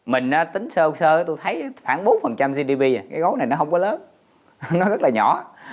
mình tính sơ sơ tôi thấy khoảng bốn phần trăm gdp cái gói này nó không có lớn nó rất là nhỏ